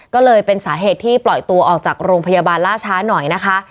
ก็เลยเป็นสาเหตุที่ปล่อยตัวออกจากโรงพยาบาลล่าช้าหน่อยนะคะ